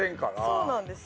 そうなんですよね。